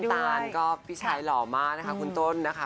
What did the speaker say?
สุดยอดน้ำตาลก็พี่ชัยหล่อมากนะคะคุณต้นนะคะ